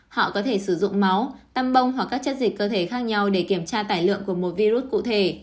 họ có thể sử dụng máu tăm bông hoặc các chất dịch cơ thể khác nhau để kiểm tra tải lượng của một virus cụ thể